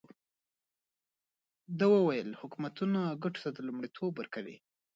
ده وویل حکومتونه ګټو ته لومړیتوب ورکوي.